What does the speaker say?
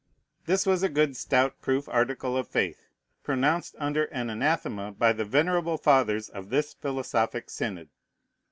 This was a good, stout, proof article of faith, pronounced under an anathema by the venerable fathers of this philosophic synod.